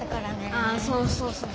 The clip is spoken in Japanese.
ああそうそうそうそう。